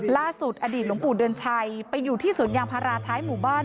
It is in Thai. อดีตหลวงปู่เดือนชัยไปอยู่ที่สวนยางพาราท้ายหมู่บ้าน